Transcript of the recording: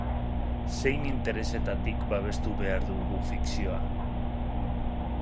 Zein interesetatik babestu behar dugu fikzioa?